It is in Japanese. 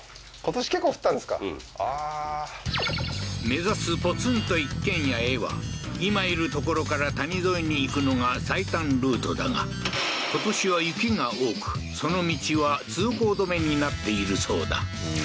目指すポツンと一軒家へは今いる所から谷沿いに行くのが最短ルートだが今年は雪が多くその道は通行止めになっているそうだ